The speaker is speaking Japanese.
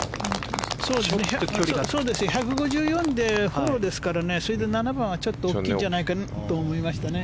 １５４でフォローですからそれで７番はちょっと大きいんじゃないかと思いましたね。